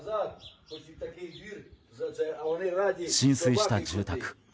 浸水した住宅。